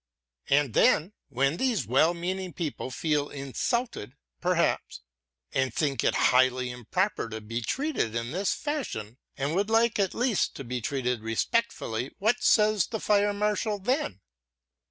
And then, when these well meaning people feel insulted, perhaps, and think it highly improper to be treated in this fashion, and would like at least to be treated respectfullyŌĆöwhat says the fire marshal then?